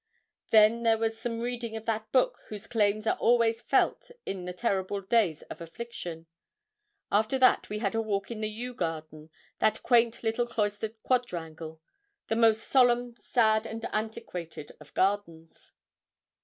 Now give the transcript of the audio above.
Then there was some reading of that book whose claims are always felt in the terrible days of affliction. After that we had a walk in the yew garden, that quaint little cloistered quadrangle the most solemn, sad, and antiquated of gardens.